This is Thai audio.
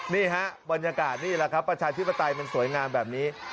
นี่ฮะบรรยากาศนี่แหละครับประชาธิปไตยมันสวยงามแบบนี้